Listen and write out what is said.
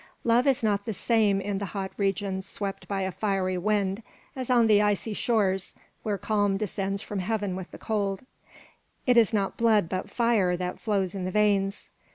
Love is not the same in the hot regions swept by a fiery wind as on the icy shores where calm descends from heaven with the cold; it is not blood but fire that flows in the veins.